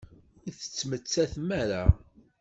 Ur tettmettatem ara!